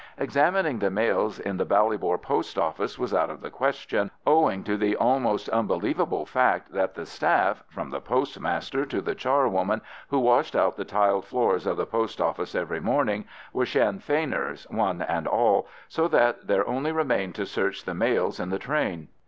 Examining the mails in the Ballybor Post Office was out of the question, owing to the almost unbelievable fact that the staff, from the postmaster to the charwoman who washed out the tiled floors of the post office every morning, were Sinn Feiners, one and all, so that there only remained to search the mails in the train.